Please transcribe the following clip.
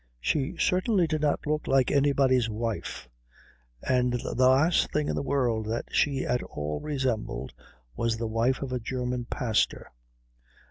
She certainly did not look like anybody's wife; and the last thing in the world that she at all resembled was the wife of a German pastor.